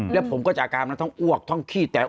แล้วผมก็จากการมันทั้งอวกทั้งขี้แตก